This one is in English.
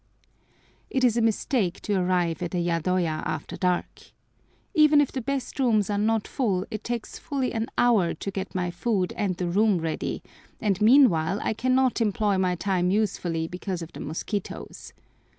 It is a mistake to arrive at a yadoya after dark. Even if the best rooms are not full it takes fully an hour to get my food and the room ready, and meanwhile I cannot employ my time usefully because of the mosquitoes.